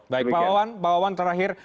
baik pak wawan pak wawan terakhir